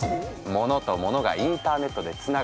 物と物がインターネットでつながる。